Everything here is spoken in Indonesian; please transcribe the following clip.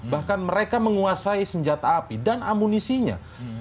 bahkan mereka menguasai senjata api dan amunisinya